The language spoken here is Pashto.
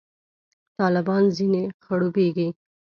طالبان ځنې خړوبېږي.